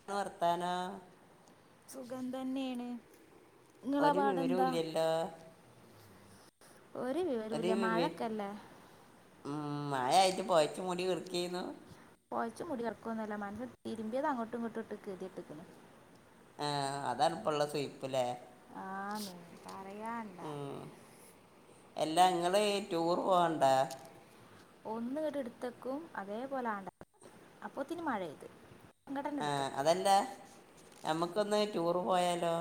[unintelligible] വർത്താനം സുഖം തന്നെയാണ് നിങ്ങളാ ഒരു വിവരവും പാടെന്താ ഇല്ലല്ലോ ഒരു [unintelligible] വിവരമില്ല മഴക്കല്ലേ മ് മാഴ ആയിട്ട് പോയച്മുടി കെടാകേന്നു പോയച്ച് മൂടി കേടാക്കൊന്ന്അല്ല മനുഷ്യ തിരുമ്പിയത് അങ്ങോട്ടും ഇങ്ങോട്ടും ഇട്ട് കെദിയെട്ട്ക്ണ് ആഹ് അതാണ് ഇപ്പോൾ ഉള്ള സുയിപ്പ് ലെ ആ പറയാൻ എല്ലാ ഇങ്ങള് ടൂർ പോവാർണ്ട ഒന്ന് ഒ [unintelligible] ടതേക്കും അതേപോലെ ആ [unintelligible] അപ്പൊത്തിനി മഴ പെയ്തു ആ അതല്ല നമുക്കൊന്ന് ടൂറ് പോയാലോ?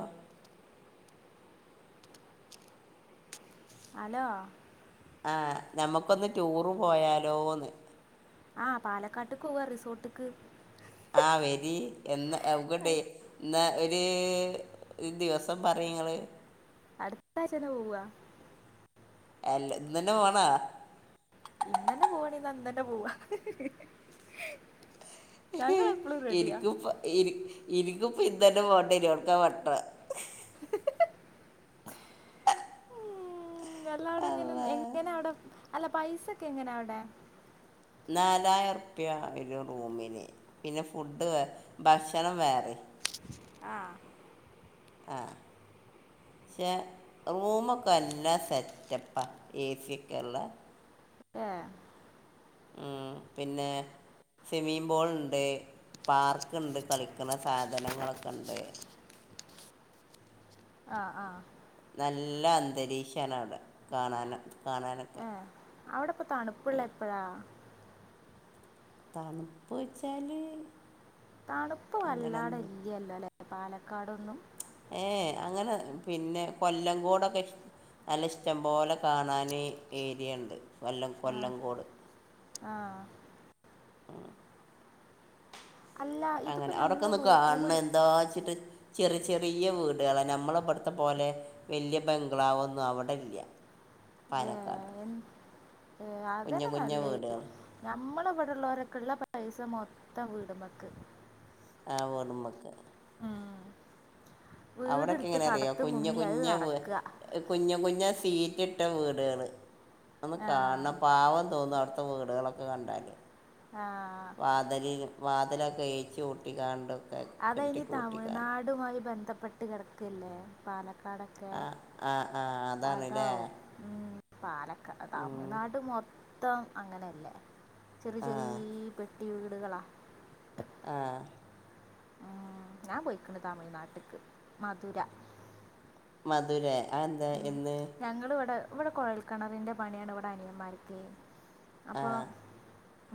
ഹലോ ആഹ് നമ്മക്കൊന്ന് ടൂറ് പോയാലോന്ന് ആഹ് പാലക്കാട്ടക്ക് പോവാം റിസോർട്ട്ക്ക് ആഹ് വരി എന്ന അ [unintelligible] ഹൈ, ടെ എന്നാ ഒരു ദിവസം പറയ് നിങ്ങള് അടുത്ത ആഴ്ച്ചന്നെ പോവാം അല്ല ഇന്ന് ന്നെ പോണോ ഇന്നന്നെ പോവാണേ ന്നാ ഇന്നന്നെ പോവാം ഇനിക്കും ഇപ്പ ഇനി ഇനിയിക്കും ഇപ്പോ ഇന്നുതന്നെ പോണ്ടയ രോ അവട്ക്കാ വട്ട മ് എല്ലാടെ ഇങ്ങനെ അല്ല എ എങ്ങന അവിടെ അല്ല പൈസൊക്കെ എങ്ങനാ അവിടെ നാലായിരം റുപ്യ വരും റൂമിന് പിന്നെ ഫുഡ്ഡ് വേ ഭക്ഷണം വേറിം ആ ക്ഷേ റൂമൊക്കെ എല്ലാം സെറ്റപ്പാ എ സി ഒക്കെയ്ള്ള ഏഹ് ഉം പിന്നെ സ്വിമ്മിംഗ് പൂൾ ണ്ട് പാർക്ക് ണ്ട് കളിക്കുന്ന സാധനങ്ങളൊക്കെ ണ്ട് ആ ആ നല്ല അന്തരീക്ഷമാണ് അവിടെ കാണാന് ഏഹ് അവിടെ പ്പം തണുപ്പ്ള്ള എപ്പഴാ തണുപ്പ് ച്ചാല് തണുപ്പ് വല്ലാതെ ഇല്ല്യല്ലോ അല്ലെ പാലക്കാടൊന്നും ഏഹേ അങ്ങനെ പിന്നെ കോല്ലംകൊ ടൊക്കെ നല്ല ഇഷ്ടം പോലെ കാണാന് ഏരിയ ഉണ്ട് കൊല്ലം കൊല്ലംകോട് ആഹ് അല്ല അങ്ങനെ ഇതിപ്പോൾ നമ്മൾ അവിടെക്കെ ഒന്ന് റൂം കാണണം എടുത്ത് എന്താ ച്ച്ട്ട് ചെറിയ ചെറിയ വീടുകളാ നമ്മളെ ഇമ്പട്ത്തെ പോലെ വല്യയ ബംഗ്ലാവ് ഒന്നും അവിടെ ല്ല [unintelligible] കുഞ്ഞു അതന്നെ കുഞ്ഞു നല്ലത് വീടുകൾ ഞമ്മളെ ഇവിടെ ള്ളൊരൊക്കെ ഇള്ള പൈസ മൊത്തം വീട് മ്മക്ക് ആ വോട്മക്ക് ഉം വീട് അവിടെയൊക്കെ ട്ത്ത് കടത്ത് മുങ്ങി അഹ് അടക്കാ കുഞ്ഞ് കുഞ്ഞ് സീറ്റ് ഇട്ട വീടുകള് ഒന്ന് കാണണം പാവം തോന്നും അ ത്തെ വീടുകളൊക്കെ കണ്ടാല് ആഹ് വാതിലി വാതിലൊക്കെ ഏച്ചൂട്ടിക്കാണ്ടും അത് അയിന് തമിഴ്നാടുമായി ബന്ധപ്പെട്ട് കിടക്കല്ലേ പാലക്കാടൊ ആ ആഹ് ആഹ് ആ അതാണല്ലേ അതാവും മ് പാലക്കാ ഉം, തമിഴ്നാട് മൊത്തം അങ്ങനെയല്ലേ ചെറിയ ആ ചെറിയ പെട്ടി വീടുകളാ ആഹ് ഞാൻ പോയിക്ക്ണ് തമിഴ്നാട്ട്ക്ക് മധുര മധുരേ അ എന്താ എന്ന് ഞങ്ങള് ഇവടെ ഇവടെ കുഴൽക്കിണറിന്റെ പണിയാണ് ഇവടെ അനിയമാര്ക്കേ ആ അപ്പോ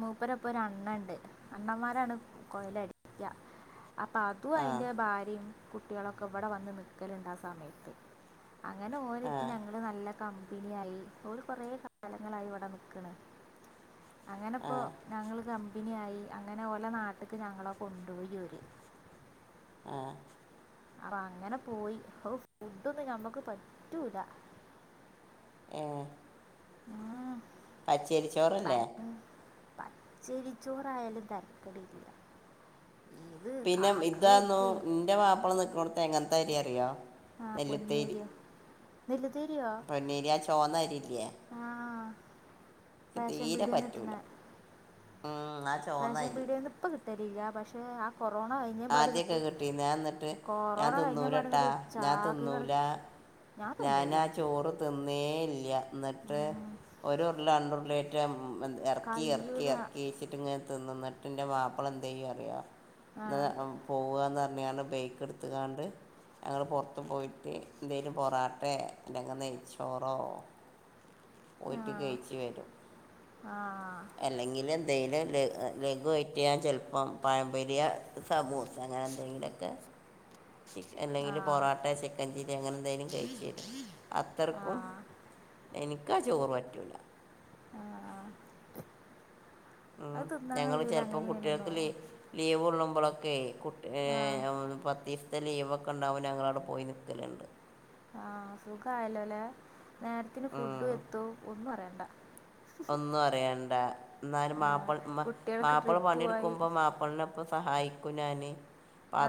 മൂപ്പരൊപ്പം ഒരു അണ്ണൻ ണ്ട് അണ്ണന്മാരാണ് കൊഴൽ അടിക്കാ അപ്പ അതും ആ അയിന്റെ ഭാരിം കുട്ടിളൊക്കെ ഇവിടെ വന്ന് നിക്കല്ണ്ട് ആ സമയത്ത് അങ്ങനെ ആ ഓരടുത്ത് ഞങ്ങള് നല്ല കമ്പനി ആയി ഓല് കൊറെ കാല ങ്ങളായി ഇവിടെ നിക്ക്ണ് ആ അങ്ങനെപ്പോ ഞങ്ങള് കമ്പിനി ആയി അങ്ങനെ ഓലെ നാട്ടക്ക് ഞങ്ങളെ കൊണ്ടുപോയി ഓര് ആഹ് ആഹ് അങ്ങനെ പോയി അപ്പൊ ഫുഡൊന്നും ഞമ്മക്ക് പറ്റൂല. ഏ ആഹ് പച്ചരിച്ചോറല്ലേ? പച്ചരിച്ചോറായാലും തരക്കേടില്ല. പിന്നെ ഇതാന്നു കറിയൊക്കെ ന്റെ മാപ്പള നിക്കനോട്ത്ത് എങ്ങനത്തെ അരി അറിയോ ആഹ നെല്ലുത്തേരി പൊന്നിരിയോ വലുതരിയോ പൊന്നീരിയാ ചോന്നരില്ല്യെ ആഹ റേഷൻ തീരെ പീടിയന് കിട്ടണ പറ്റൂല ഉം അത് റേഷൻ പീടിയന് ഇപ്പ കിട്ടലില്ല പക്ഷെ ആ കൊറോണ ക ആദ്യമൊക്കെ [unintelligible] കിട്ടിയിരുന്നു ഞാൻ എന്നിട്ട് ഞാൻ കൊറോണ കഴിഞ്ഞ തിന്നൂലട്ടാ പാടടു ചാക്ക് കണ ഞാനാ ചോറ് തിന്നേ ഇല്യ എന്നിട്ട് ഉം, ഒരു ല്ല അന്തർലേറ്റം ഇറക്കി ഇറക്കി കഴിയൂല ഇറക്കി എന്നിട്ട് ങ്ങനെതിന്നും എന്നിട്ട് ന്റ് മാപ്പള എന്ത ചെയ്യഅറിയാം ആ [unintelligible] പോവുകന്ന് പറഞ്ഞാൽ ബേക്ക് എടുത്ത്കാണ്ട് ഞങ്ങൾ പുറത്ത് പോയിട്ട് എന്തേലും പൊറാട്ടെ അല്ലെങ്കിൽ നെയ്ച്ചോറോ ആ പോയിട്ട് കഴിച്ചു വരും ആ അല്ലെങ്കിൽ ഏ തീരെ ല ലഘുുവായിറ്റ് ഞാൻ ചെലപ്പം പഴമ്പരിയ സമൂസ അങ്ങനെ എന്തെങ്കിലുമൊക്കെ [inaudible] ച ആ അല്ലെങ്കിൽ പൊറോട്ട ചിക്കൻ ചില്ലി അങ്ങനെ എന്തായങ്കിലും കഴിച രും ആ അത്രർക്കും എനിക്കാ ചോറ് പറ്റുല്ല ആ ഉ അത് തിന്നാൻ ഞങ്ങൾ കഴിയൂല അങ്ങനെ ചിലപ്പോം ഇങ്ങനെയൊന്നും കുട്ടികൾക്കിലി ലീവ് കൊള്ളുമ്പോളൊക്കെ കുട്ടി ആ ആഹ് പത്തീഫ് ഇന്ന് ലീവൊക്കെ ഉണ്ടാവമ്പോ ഞങ്ങളവിടെ പോയി നിൽക്കലുണ്ട് ആഹ് സുഖായല്ലോല്ലേ? നേരത്തിന് ഫുഡും ഉം. എത്തും ഒന്നും അറൻണ്ട പറയണ്ട എന്നാലും മാപ്പിള മാ കുട്ടികൾക്ക് മാപ്പിള ട്രിപ്പ് പോയി പണിയെടുക്കുമ്പോ മാപ്പിള്നൊപ്പം സഹായിക്കും ഞാന്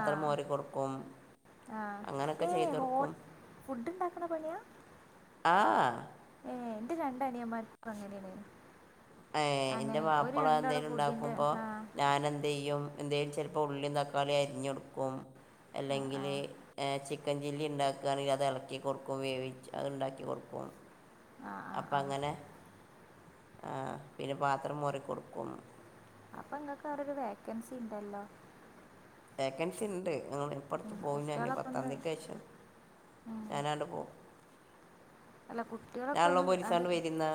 ആ മോരി കൊടുക്കും ആ അങ്ങനെയൊക്കെ ഏ ചെയ്ത് ഹോ കൊടുക്കും. ഫുഡ് ഉണ്ടാക്കണ പണിയാ? ആ ഏ എന്റെ രണ്ട അനിയന്മാരും ഇപ്പ അങ്ങനെയാണ് ഹെ എൻ്റെ അങ്ങനെ ഒരു മാപ്പിള രണ്ടാള് എന്തേങ്കിലും ഫുഡിൻ്റെ ഉണ്ടാക്കുമ്പോൾ ആ ഞാൻെന്ത ചെയ്യും എന്തേങ്കും ചിലപ്പോൾ ഉള്ളി തക്കാളി അരിഞോടുക്കും ആ ആ അല്ലെങ്കില് ചി ചിക്കൻ ചില്ലി ഉണ്ടാക്കുകവാണെങ്കിൽ അത് ഇളക്കി കൊടുക്കും വേവിച്ച് അത് ഉണ്ടാക്കി കൊടുക്കും ആ ആ അപ്പം ആ അങ്ങനെ ആ പിന്നെ പാത്രം മോറി കൊടുക്കും അപ്പൊ ഇങ്ങക്ക് അവടരു വേക്കൻസി ഉണ്ടല്ലോ? വേക്കൻസി ഉണ്ട് ഹെ ഇപ്പടത്ത് ഉം, പോവും ഞ്ഞന് കുട്ടികളൊക്കെ ഒന്ന് പത്താംതിക്കെ ശം ഉം, ഞാനാണ്ട് പോവും അല്ല കുട്ടികളൊക്കെ ഒന്ന് അത് പോലീസാണ്ട് വരുന്ന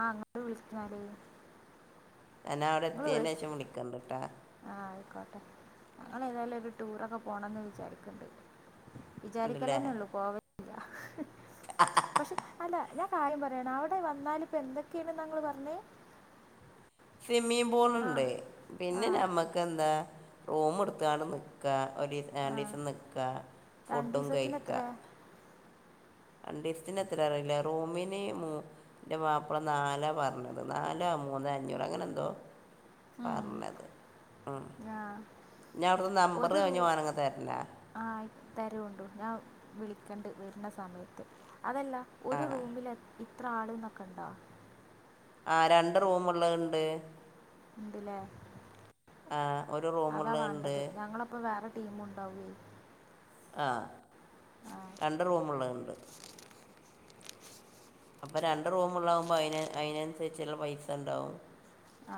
ആ അങ്ങട് വിളിക്കണല്ലേ? ഞാൻ അവിടെ എത്തിയതിന ശേഷം വിളിക്കണ്ടിട്ടാ. ആഹ് ആയിക്കോട്ടെ ഞങ്ങൾേഏതായാലും ഒരു ടൂറൊക്കെ പോകണംമെന്ന് വിചാരിക്കുണ്ട് ഉണ്ടല്ലേ വിചാരിക്കലന്നെള്ളൂ പോവില്ല പക്ഷെ അല്ല ഞാൻ കാര്യം പറയാണ് അവിടെ വന്നാലിപ്പോൾ എന്തൊക്കെയാണ് ഞങ്ങൾ പറഞ്ഞെ? സ്വിമ്മിം ബോൾ ആ ഉണ്ട് ആ പിന്നെ നമ്മക്ക് ക്ക എന്താ റൂം എടുത്താണ് നിക്കാ വലിയ ആ രണ്ടീസം നിക്ക രണ്ട് ഫുഡും ദിവസത്തിന് കഴിക്ക എത്ര രണ്ടീസത്തിന് എത്ര അറിയില്ല റൂമിന് മൂ എന്റെ മാപ്പള നാലാ പറഞ്ഞത് നാലാ മൂന്ന അഞ്ഞൂറ അങ്ങനെ എന്തോ ഉം, പറഞ്ഞത് ഉം ആ ഞാൻ അവിടുത്തെ നമ്പറ് ഒരു റൂ കഴിഞ്ഞ് വേണങ്ങി തരില്ലേ ആ തരുഒണ്ടു ഞാൻ വിളിക്കണ്ട് വരുന്ന സമയത്ത് അതല്ല ഒരു റൂമിൽ ഇത്ര ആൾ ഇന്നൊക്കെ ഉണ്ടോ ആ രണ്ട് റൂമ് ഉള്ളത്ണ്ട്. ഇണ്ട്ലെ ആ ഒരു അതാ റൂമുള്ളതുണ്ട് വേണ്ടത് ഞങ്ങളപ്പൊ വേറെ ടീമ് ഉണ്ടാവുകു ആഹ ആ രണ്ട് റൂമുള്ളത് ഇണ്ട് അപ്പൊ രണ്ട് റൂമുള്ളാകുമ്പോ അ അയിനനുസരിച്ചുള്ള പൈസ ഉണ്ടാവും ആ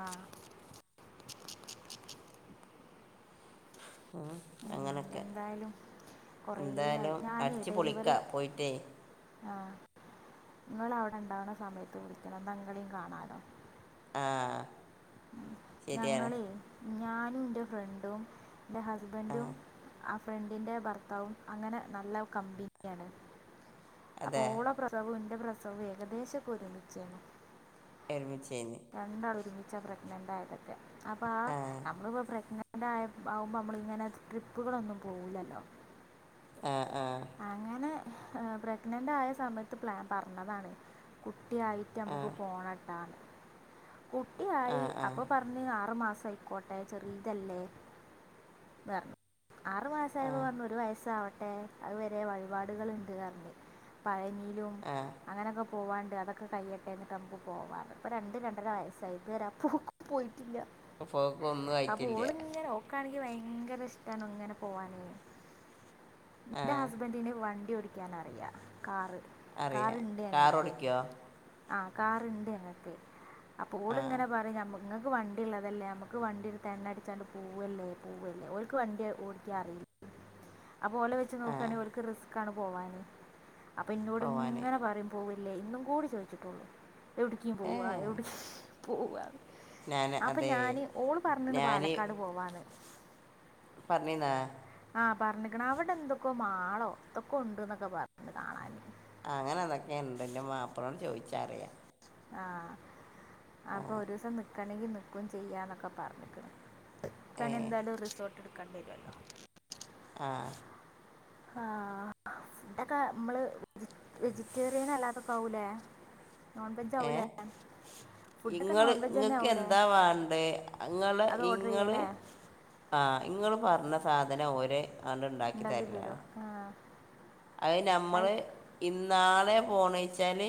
ഉം എന്തായാലും കൊറെ ആയി എന്തായാലും ഞാനേ അടിച്ച് പൊളിക്ക ഡെലിവറി പോയിട്ടേ ആ നിങ്ങള് അവിടെ ഉണ്ടാവുന്ന സമയത്ത് വിളിക്കണം ഇന്ന ഇങ്ങളി കാണാലോ ആഹ് ഞങ്ങളേ ഞാനും ഇന്റെ ഫ്രണ്ടും ഇന്റെ ഹസ്ബൻഡ്ന്റും. ഫ്രണ്ടിൻ്റെ ഭർത്താവും അങ്ങനെ നല്ല കമ്പനിയാണ് അപ്പോ അതെ ഓളെ പ്രസവും ഇന്റെ പ്രസവും ഏകദേശ ഒരുമിച്ചേനി. ഒരുമിച്ചേനി രണ്ടാൾ ഒരുമിച്ച പ്രഗ്നൻറ് ആയതൊക്കെ അപ്പോ ആ. നമ്മളിപ്പോ പ്രഗ്നന്റ് ആകുമ്പോൾ നമ്മളിങ്ങനെ ട്രിപ്പുകളൊന്നും പോകില്ലല്ലോ ആഹ ആഹ അങ്ങനെ പ്രഗ്നന്റ് ആയ സമയത്ത് പ്ലാൻ പറഞ്ഞതാണ് കുട്ടിയി ആ നമുക്ക് പോണട്ടാന്ന് ആ കുട്ടിയായി ആ അപ്പൊ പറഞ്ഞ കുഞ്ഞിന് ആറ് മാസം ആയി കോട്ടെ ചെറിയിതല്ലേ. ആറു മാസം ആയപ്പം പറഞ്ഞു ആ ഒരു വയസാവട്ടെ. അഹ് വരെ വഴിപാടുകൾ ഇണ്ട് പറഞ്ഞു പഴനിയിലും ആ അങ്ങനെയൊക്കെ പോവാണ്ട് അതൊക്കെ കൈയ്യട്ടെ നമ്മുക്ക് പോവാന്ന്. ഇപ്പൊ രണ്ട് രണ്ടര വയസായി ഇതുവരെപ് ആ പോക്ക് പോയിട്ടില്ല. പോക്ക് ഒന്നും അപ്പ ആയിട്ടില്ല ഓള് ഇങ്ങനെ ഓക്കണെങ്കി ഭയങ്കര ഇഷ്ടാണ് ഇങ്ങനെ പോവാന്. ആ ഇന്റെ ഹസ്ബൻഡിന് വണ്ടി ഓടിക്കാനറിയ കാറ് അറിയാം കാറിണ്ട് കാർ ഞങ്ങൾക്ക്. ഓടിക്കുമോ ആ കാറിണ്ട് ഞങ്ങക്ക് അപ്പോൾ ആ ഓള് ഇങ്ങനെ പറയും ഞമ്മ നിങ്ങൾക്ക് വണ്ടി ഉള്ളതല്ലേ അമ്മക്ക് വണ്ടി ഇട്ത്ത് എണ്ണ അടിച്ചണ്ട് പൂവല്ലേ പൂവല്ലേ ഓല്ക്ക് വണ്ടി ഓ [unintelligible] അപ്പ ഓളെ ആ നോക്കയാണെ ഓൾക്ക് റിസ്ക്കാണ് പോവാൻ. അപ്പ ഇന്നോട് പോവാൻ ഇങ്ങന്നെ പറയും. പോവല്ലേ ഇന്നും കൂടീ ചോയിച്ചിട്ടേള്ളൂ ഒട്കീം ഏ പോവ ഒട്കി പോവ ഞാൻ അപ്പൊ അതെ ഞാന് ഓള് പറഞ്ഞ്ണ് ഞാൻ പാലക്കാട് പോവാന്ന് പറഞ്ഞിന്നാ ആ പറഞ്ഞിക്ക്‌ണ് അവിടെ എന്തൊക്കോ മാളോ എൻതൊക്കൊ ഉണ്ട്ന്നൊക്കെ പറഞ്ഞ ന്ന് കാണാന്. ആ അങ്ങനെ എന്തൊക്കെയോ ഉണ്ട് എന്റെ മാപ്പളോട് ചോദിച്ചാറിയാം. ആ അപ്പൊ ഒരു ദിവസം നിക്കണെങ്കിൽ നിക്കും ചെയ്യാ എന്നൊക്കെ പറഞ്ഞ്ക്ക്ണ് ഏ തന്നെ എന്താലും റിസോർട്ട് എടുക്കേണ്ടി വരുമല്ലോ. ആ ആഹ് ഇതൊക്കെ നമ്മള് വെജിറ്റേറിയൻ അല്ലാതെ പോവൂലേ നോൺ വെജ് ആവുലേ ഏ ഇങ്ങള് ഇങ്ങൾക്ക് എന്താ വണ്ടേ അങ്ങള് അത് ഓർഡർ ഇങ്ങള് ചെയ്യല്ലേ ആ ഇങ്ങള് പറഞ്ഞ സാധനം ഒരേ ഇണ്ടാക്കിതീരേ ആ അത് ഞമ്മള്. ആയി- ഇന്നാളെ പോണെ ഇച്ചാൽ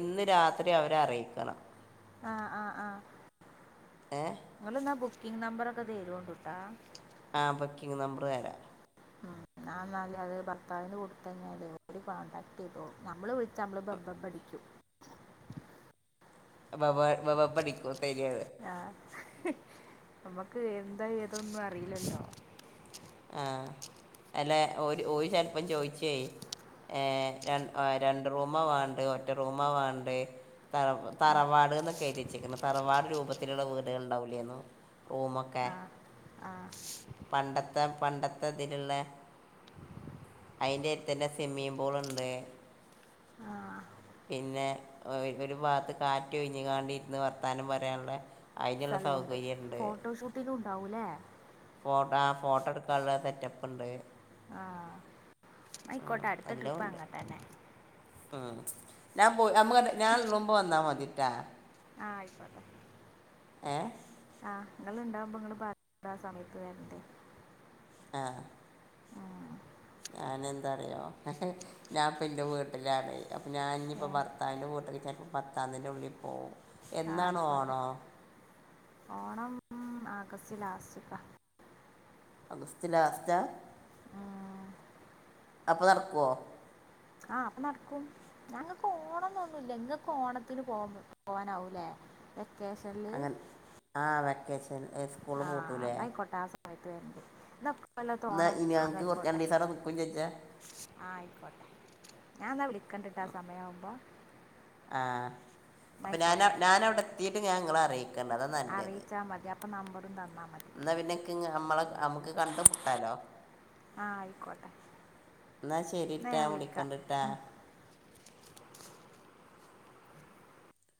ഇന്ന് രാത്രി അവരെ അറിയിക്കണം ആ ആ ആ. ഏഹ് ങ്ങള്ന്നാ ബുക്കിംഗ് നമ്പറൊക്കെ തരോണ്ടുട്ടാ ആ ബുക്കിംഗ് നമ്പർ തരാ ആഹ് ആഹ് ന്നാലത് അത് ഭർത്താവിന് കൊടുത്തഴിഞാല് ഓര് കോൺടാക്ട് ചെയ്തോളും. നമ്മള് വിളിച്ചാ നമ്മള് ബബബ അടിക്കും ബബാ ബബ അടിക്കൂ അത് സെരിയാണ് ആ നമ്മക്ക് എന്താ ഏതൊന്നും അറീലല്ലോ ആഹ്. അല്ല ഓര് ഓര് ചെൽപ്പം ചോയിചെയ് ഏഹ്.. രണ്ട് റൂമാ വാണ്ടെ ഒറ്റ റൂമാ വാണ്ടേ തറവ് തറവാട്ന്നൊക്കെ എഴുതെച്ചിക്ക്ണ്. തറവാട് രൂപത്തിലുള്ള വീടുകള് ണ്ടാവുലേന്നു റൂമൊക്കെ പണ്ട ത്തെ പണ്ടത്തെ തില്ള്ള അയിന്റെട്ത്തന്നെ സ്വിമ്മിംഗ് പൂള്ണ്ട് പിന്നെ, ഒരു ഭാത്ത് കാറ്റ് ഒഴിഞ്ഞ് കാണ്ട് ഇര്ന്ന് വർത്താനം പറയാന്ള്ളെ അയ്ന്ള്ള സൗകര്യം ണ്ട് ത്തിലുണ്ടാവുലേ ഫോട്ട ആ ഫോട്ടട്ക്കാള്ള സെറ്റപ്പ്ണ്ട് ആഹ്. ന്നായിക്കോട്ടെ അടുത്ത എല്ലാം ട്രിപ്പ് ഉണ്ട് അങ്ങട്ടെന്നെ ഉം.. ഞാൻ പോയി നമ്മക്ക് ഞാനുള്ളുമ്പോ വന്നാ മതി ട്ടാ ആ ആയിക്കോട്ടെ ഏഹ് ആഹ്, ങ്ങള് ണ്ടാവുമ്പോ ങ്ങള് പ ആ സമത്ത് വരണ്ട് ആഹ് ഉം, ഞാനെന്താറിയോ ഞാപ്പൻ്റെ വീട്ടിലാണ് അപ്പം ഞാൻ ഏ ഞ്ഞിപ്പോ ഭർത്താവിൻ്റെ വീട്ട്ക്ക് ചെൽപ്പം പത്താംതിൻ്റെള്ളിൽ പോവും ആ എന്നാണ് ആയിക്കോട്ടെ. ഓണോ ഓണം ആഗസ്റ്റ് ലാസ്റ്റ്ക്കാ അഗസ്റ്റ് ലാസ്റ്റാ ആ ആഹ് [inaudible] അപ്പ നടക്കോ ആ അപ്പ നട്ക്കും ഞങ്ങക്ക് ഓണംന്നൊന്നുല്ല. ഇങ്ങക്ക് ഓണത്തിന് പോ പോവാനാവൂലേ വെക്കേഷൻല് അങ്ങനെ ആ വെക്കേസൻ. ഈ സ്കൂള് പൂട്ടൂലെ [unintelligible] കൊല്ലത്തെ എന്നാൽ ഓണം ഇനി ഞങ്ങൾക്ക് കുറച്ച് അതായിക്കോട്ടെ രണ്ട് ദിവസം അവിടെ നിൽക്കും ചോദിച്ചാൽ ആ ആയിക്കോട്ടെ ഞാന്നാ വിളിക്കണ്ട് ട്ടാ സമയാവുമ്പോ ആ അപ്പൊ ഞാൻ ഞാനവിടെ ത്തീട്ട് ഞാൻ ങ്ങള അറിയിക്കേണ്ട്. അത അറിയ്ച്ചാ മതി. അപ്പ നമ്പറും തന്നാ മതി ന്നാ പിന്നെ ക്ക് അമ്മളെ അമ്മക്ക് കണ്ട് മുട്ടാലോ ആ ആയിക്കോട്ടെ ന്നാ എന്നാൽ ശരിട്ടാ ഞാൻ ഞാം വിളിക്കാം വിളിക്കണ്ട്ട്ടാ ഉം.